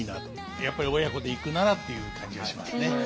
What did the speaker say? やっぱり親子で行くならという感じがしますね。